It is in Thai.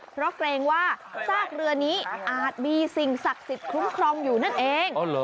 เพราะเกรงว่าซากเรือนี้อาจมีสิ่งศักดิ์สิทธิ์คุ้มครองอยู่นั่นเอง